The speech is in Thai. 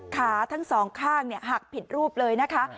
ขาทั้งสองข้างหักผิดรูปเลยนะคะ